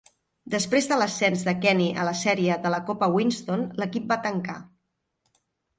Després de l'ascens de Kenny a la sèrie de la Copa Winston, l'equip va tancar.